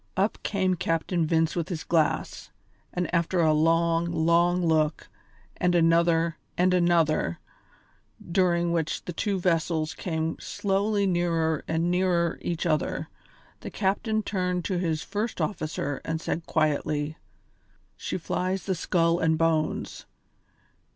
Up came Captain Vince with his glass, and after a long, long look, and another, and another, during which the two vessels came slowly nearer and nearer each other, the captain turned to his first officer and said quietly: "She flies the skull and bones.